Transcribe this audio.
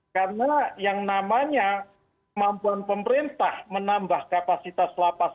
karena yang namanya kemampuan pemerintah menambah kapasitas lapas